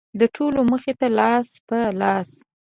د ټولو مخې ته لاس په لاس.